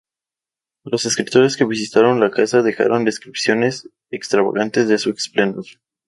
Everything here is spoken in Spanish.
Los escritores que visitaron la casa dejaron descripciones extravagantes de su esplendor.